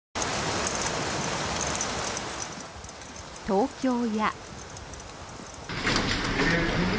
東京や。